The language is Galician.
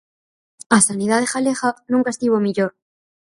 A sanidade galega nunca estivo mellor.